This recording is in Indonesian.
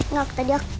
nggak aku tadi aku